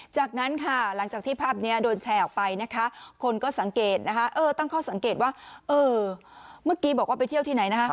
จากนั้นค่ะหลังจากที่ภาพนี้โดนแชร์ออกไปนะคะคนก็สังเกตนะคะเออตั้งข้อสังเกตว่าเออเมื่อกี้บอกว่าไปเที่ยวที่ไหนนะคะ